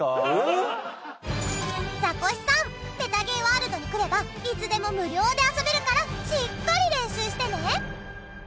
ザコシさんメタゲーワールドに来ればいつでも無料で遊べるからしっかり練習してね。